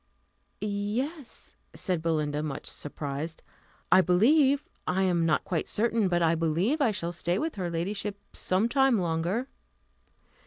"Yes," said Belinda, much surprised. "I believe I am not quite certain but I believe I shall stay with her ladyship some time longer."